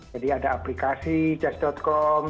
jadi ada aplikasi chat com